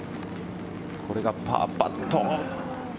これがパーパット。